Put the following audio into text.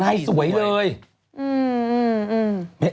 รายสวยเลย